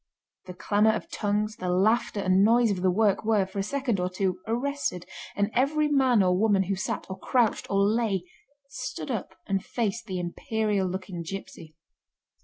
The clamour of tongues, the laughter and noise of the work were, for a second or two, arrested, and every man or woman who sat, or crouched, or lay, stood up and faced the imperial looking gipsy.